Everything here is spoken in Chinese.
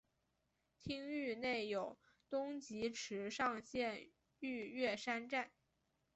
町域内有东急池上线御岳山站。